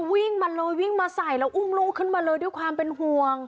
วิ่งมาเลยวิ่งมาใส่แล้วอุ้มลูกขึ้นมาเลยด้วยความเป็นห่วง